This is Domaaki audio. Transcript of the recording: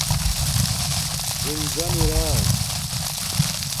زِن زَن ارائ